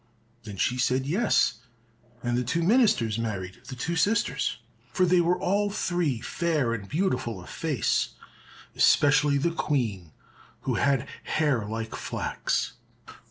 Then she said, "Yes," and the two ministers married the two sisters, for they were all three fair and beautiful of face, especially the Queen, who had hair like flax.